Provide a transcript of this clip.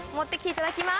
いただきます。